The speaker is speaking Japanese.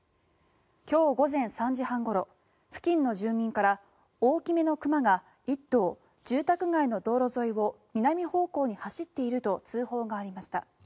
今日午前３時半ごろ付近の住民から大きめの熊が１頭住宅街の道路沿いを南方向に走っていると通報がありました。